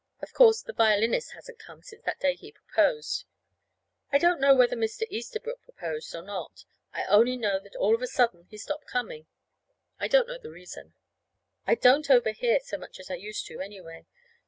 (Of course, the violinist hasn't come since that day he proposed.) I don't know whether Mr. Easterbrook proposed or not. I only know that all of a sudden he stopped coming. I don't know the reason. I don't overhear so much as I used to, anyway.